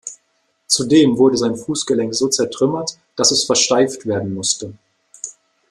Zudem wurde sein Fußgelenk so zertrümmert, dass es versteift werden musste.